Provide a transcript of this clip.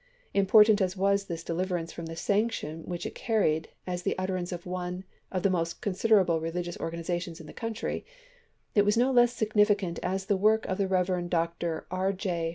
Important as was this de liverance from the sanction which it carried, as the utterance of one of the most considerable religious organizations in the country, it was no less signifi cant as the work of the Rev. Dr. E. J.